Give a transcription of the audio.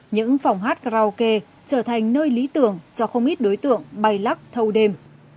những phòng hát karaoke trở thành nơi lý tưởng cho không ít đối tượng bay lắc thâu đêm